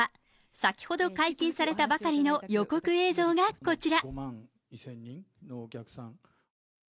先ほど解禁されたばかりの予告映像がこちら。